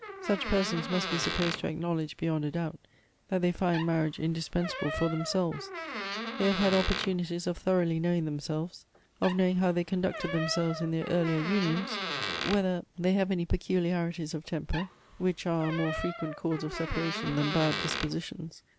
Such persons must be supposed to acknowledge beyond a doubt that they find marriage indispensable for themselves; they have had opportunities of thoroughly knowing themselves ; of knowing how they conducted themselves in their earlier unions ; whether they have any peculiarities of temper, which are a more frequent cause of separation than bad dispositions.